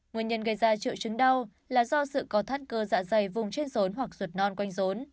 nguyên nhân gây ra triệu chứng đau là do sự có thất cơ dạ dày vùng trên rốn hoặc ruột non quanh rốn